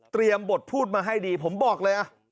บทพูดมาให้ดีผมบอกเลย